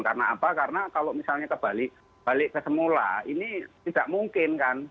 karena apa karena kalau misalnya kembali balik ke semula ini tidak mungkin kan